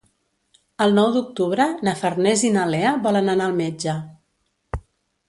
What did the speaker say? El nou d'octubre na Farners i na Lea volen anar al metge.